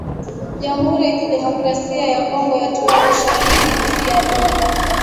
Jamhuri ya Kidemokrasia ya Kongo yatoa ‘ushahidi’ dhidi ya Rwanda.